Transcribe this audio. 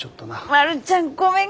丸ちゃんごめん。